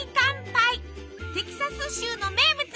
テキサス州の名物！